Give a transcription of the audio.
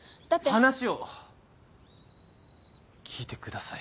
話を聞いてください。